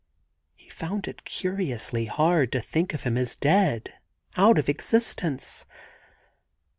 He found it curiously hard to think of him as dead, out of existence.